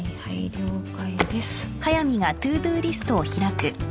了解です。